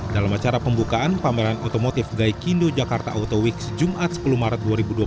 dalam acara pembukaan pameran otomotif gai kindo jakarta auto weeks jumat sepuluh maret dua ribu dua puluh tiga